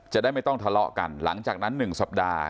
จะได้ไม่ต้องทะเลาะกันหลังจากนั้น๑สัปดาห์